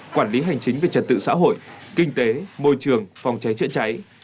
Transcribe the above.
quản lý hành chính về trật tự xã hội kinh tế môi trường phòng cháy chữa cháy